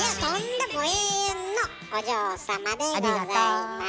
もう永遠のお嬢様でございます。